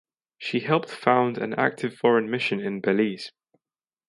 She helped found an active foreign mission in Belize.